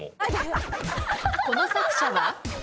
この作者は？